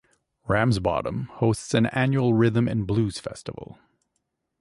Ramsbottom hosts an annual rhythm and blues festival.